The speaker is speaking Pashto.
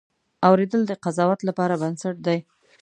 اورېدل د قضاوت لپاره بنسټ دی.